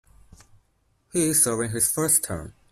He is serving his first term.